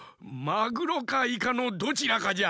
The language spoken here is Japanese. マグロかイカのどちらかじゃ。